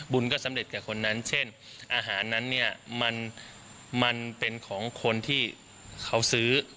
สำเร็จแก่คนนั้นเช่นอาหารนั้นเนี่ยมันเป็นของคนที่เขาซื้อ